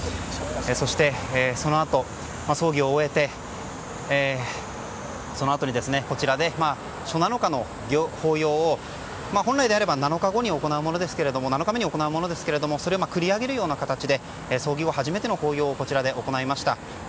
そして、そのあと葬儀を終えてこちらで初七日の法要を本来であれば７日後に行うものですがそれを繰り上げるような形で葬儀後初めての法要をこちらで行いました。